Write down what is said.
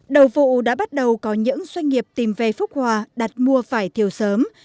đầu vụ đã bắt đầu có những doanh nghiệp tìm về phúc hòa đặt mua vải thiều sớm